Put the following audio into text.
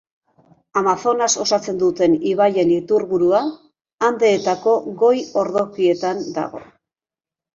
Amazonas osatzen duten ibaien iturburua Andeetako goi-ordokietan dago.